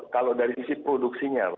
kalau dari sisi produksinya